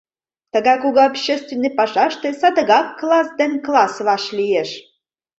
Тыгай кугу общественный пашаште садыгак класс ден класс ваш лиеш.